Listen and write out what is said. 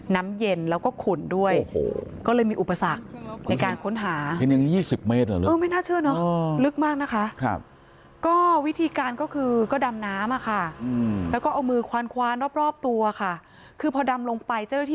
น้ำเย็นแล้วก็ขุ่นด้วยโอ้โหก็เลยมีอุปสรรคในการค้นหา